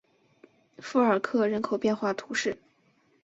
富尔克人口变化图示